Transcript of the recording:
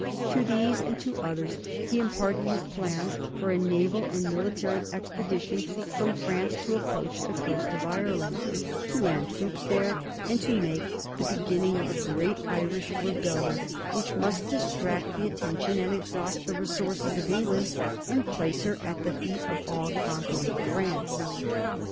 To these and to others he imparted his plans for a naval and military expedition from France to approach the coast of Ireland, to land troops there, and to make the beginning of a great Irish rebellion, which must distract the attention and exhaust the resources of England and place her at the feet of all conquering France.